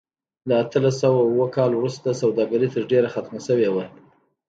له اتلس سوه اووه کال وروسته سوداګري تر ډېره ختمه شوې وه.